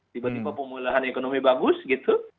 tiba tiba pemulihan ekonomi bagus gitu